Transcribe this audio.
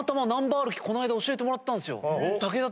歩きこの間教えてもらったんすよ。